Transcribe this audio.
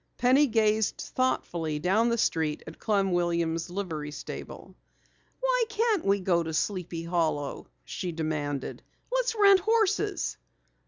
Penny gazed thoughtfully down the street at Clem Williams' livery stable. "Why can't we go to Sleepy Hollow?" she demanded. "Let's rent horses."